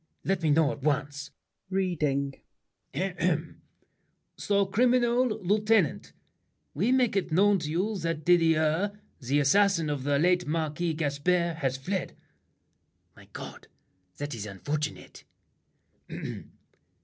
Let me know at once! [Reading.] "Sir Criminal Lieutenant: We make known To you that Didier, the assassin of The late Marquis Gaspard, has fled." My God! That is unfortunate!